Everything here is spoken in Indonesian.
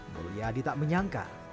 mulyadi tak menyangka